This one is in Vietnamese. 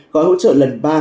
gói hỗ trợ lần ba